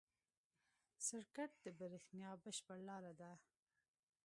سرکټ د برېښنا بشپړ لاره ده.